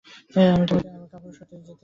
আমি তোমাকে আবার কাপুরুষ হয়ে যেতে দিচ্ছি না।